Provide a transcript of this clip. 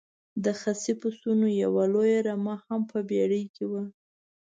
د خسي پسونو یوه لویه رمه هم په بېړۍ کې وه.